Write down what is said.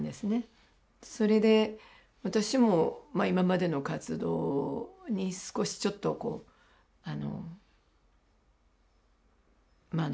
それで私も今までの活動に少しちょっとこうあのまあ何というのかな